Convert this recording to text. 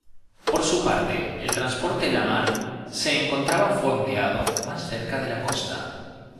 Por su parte, el transporte "Lamar" se encontraba fondeado más cerca de la costa.